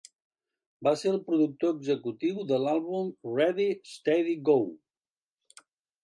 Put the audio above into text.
Va ser el productor executiu de l'àlbum Ready Steady Go!